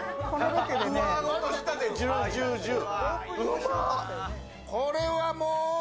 上顎と舌でジュージュージュー。